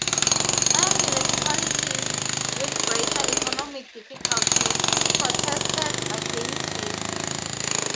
Other municipalities with greater economic difficulties protested against this.